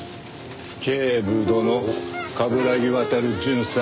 警部殿冠城亘巡査。